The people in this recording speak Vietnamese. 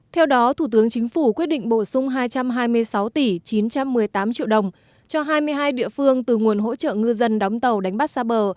theo đó thủ tướng chính phủ quyết định bổ sung hai trăm hai mươi sáu tỷ chín trăm một mươi tám triệu đồng cho hai mươi hai địa phương từ nguồn hỗ trợ ngư dân đóng tàu đánh bắt xa bờ